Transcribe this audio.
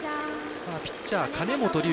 ピッチャー、金本琉瑚。